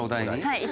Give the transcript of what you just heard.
はい。